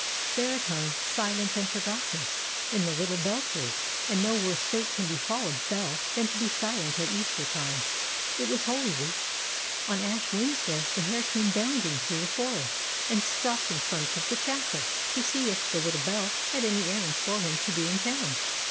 There it hung, silent and forgotten, in the little belfry, and no worse fate can befall a bell than to be silent at Easter time. It was Holy Week. On Ash Wednesday the hare came bounding through the forest, and stopped in front of the chapel, to see if the little bell had any errands for him to do in town.